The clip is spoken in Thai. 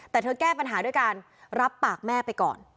แต่เธอแก้ปัญหาด้วยการรับปากแม่ไปก่อน